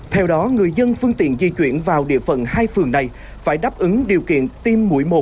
theo đó người dân phương tiện di chuyển vào địa phận hai phường này phải đáp ứng điều kiện tiêm mũi một